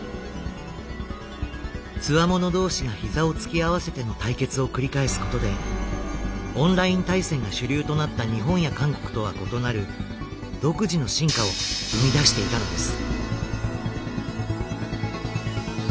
つわもの同士がひざをつき合わせての対決を繰り返すことでオンライン対戦が主流となった日本や韓国とは異なる独自の進化を生み出していたのです。